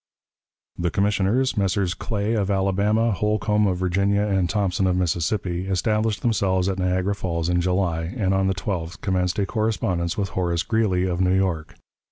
The commissioners Messrs. Clay, of Alabama; Holcombe, of Virginia; and Thompson, of Mississippi established themselves at Niagara Falls in July, and on the 12th commenced a correspondence with Horace Greeley, of New York.